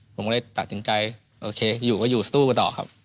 ผมก็เลยตัดสินใจโอเคอยู่ก็อยู่สู้กันต่อครับ